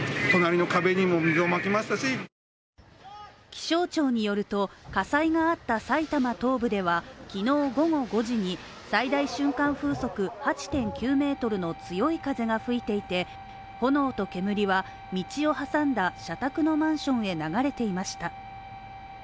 気象庁によると、火災があった埼玉東部では、きのう午後５時に最大瞬間風速８．９ｍの強い風が吹いていて、炎と煙は道を挟んだ社宅のマンションへ流れていました。